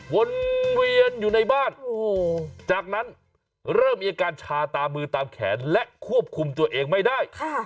วนเวียนอยู่ในบ้านจากนั้นเริ่มมีอาการชาตามมือตามแขนและควบคุมตัวเองไม่ได้